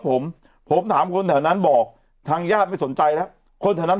ผมผมถามคนแถวนั้นบอกทางญาติไม่สนใจแล้วคนแถวนั้น